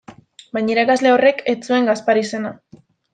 Baina irakasle horrek ez zuen Gaspar izena.